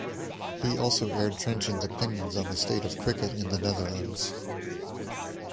He also aired trenchant opinions on the state of cricket in the Netherlands.